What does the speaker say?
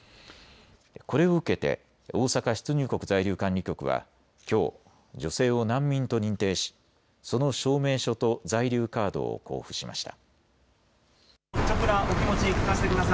これを受けて大阪出入国在留管理局はきょう女性を難民と認定し、その証明書と在留カードを交付しました。